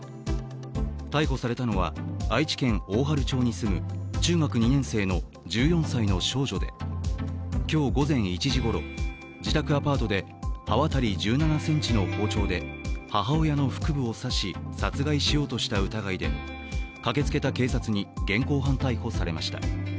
逮捕されたのは、愛知県大治町に住む中学２年生の１４歳の少女で今日午前１時ごろ、自宅アパートで刃渡り１７ｃｍの包丁で母親の腹部を刺し、殺害しようとした疑いで駆けつけた警察に現行犯逮捕されました。